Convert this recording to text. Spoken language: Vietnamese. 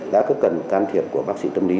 đã có cần can thiệp của bác sĩ tâm lý